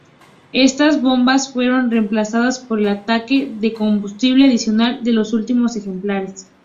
Estas bombas fueron reemplazadas por un tanque de combustible adicional en los últimos ejemplares.